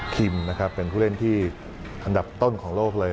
นะครับเป็นผู้เล่นที่อันดับต้นของโลกเลย